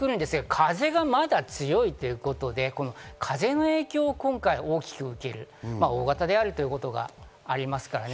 風がまだ強いということで、風の影響を今回大きく受ける大型であるということがありますからね。